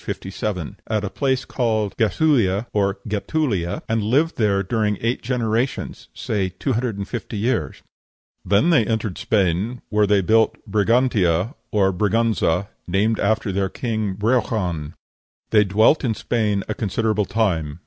57), at a place called Gæthulighe or Getulia, and lived there during eight generations, say two hundred and fifty years; "then they entered Spain, where they built Brigantia, or Briganza, named after their king Breogan: they dwelt in Spain a considerable time.